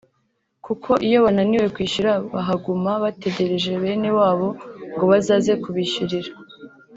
kuko iyo bananiwe kwishyura bahaguma bategereje bene wabo ngo bazaze kubishyurira